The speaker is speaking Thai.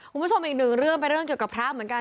คุณผู้ชมอีกหนึ่งเรื่องเป็นเรื่องเกี่ยวกับพระเหมือนกัน